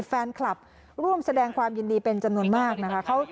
แฟนคลับร่วมแสดงความยินดีเป็นจำนวนมากนะคะ